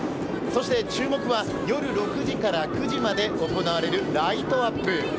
そして、注目は夜６時から９時まで行われるライトアップ。